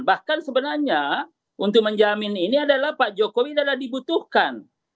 bahkan sebenarnya untuk menjamin ini adalah pak jokowi adalah dibutuhkan